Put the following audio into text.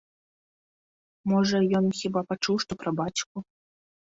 Можа, ён хіба пачуў што пра бацьку.